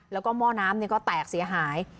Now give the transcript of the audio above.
แล้วก็หม้อน้ำก็แตกเสียหาย